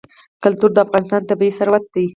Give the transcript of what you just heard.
کلتور د افغانستان طبعي ثروت دی.